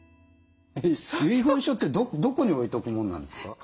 遺言書ってどこに置いとくもんなんですか？